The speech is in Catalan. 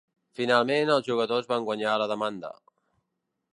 Finalment, els jugadors van guanyar la demanda.